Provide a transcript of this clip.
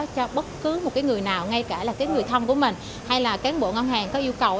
cho bất cứ một người nào ngay cả người thông của mình hay là cán bộ ngân hàng có yêu cầu